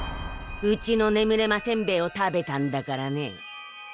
うちの眠れませんべいを食べたんだからね。